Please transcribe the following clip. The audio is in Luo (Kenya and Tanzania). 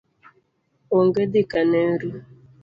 Onge dhi kaneru